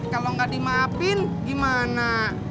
kalau nggak dimaafin gimana